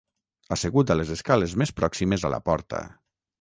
Assegut a les escales més pròximes a la porta.